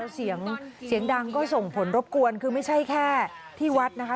เสียงเสียงดังก็ส่งผลรบกวนคือไม่ใช่แค่ที่วัดนะคะ